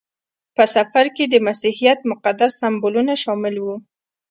په سفر کې د مسیحیت مقدس سمبولونه شامل وو.